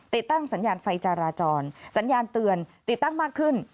ติดตั้งสัญญาณไฟจราจรสัญญาณเตือนติดตั้งมากขึ้น